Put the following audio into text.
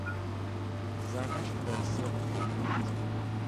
زنش فاسق گرفت.